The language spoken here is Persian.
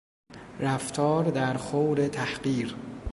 رفتار در خور تحقیر